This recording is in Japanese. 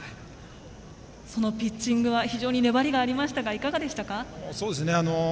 そのピッチングは非常に粘りがありましたがいかがでしたか？